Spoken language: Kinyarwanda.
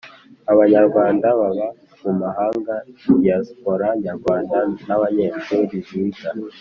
abanyarwanda baba mu mahanga diaspora Nyarwanda n abanyeshuri biga